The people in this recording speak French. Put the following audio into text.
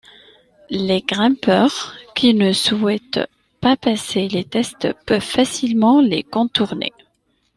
Les grimpeurs qui ne souhaitent pas passer les tests peuvent facilement les contourner.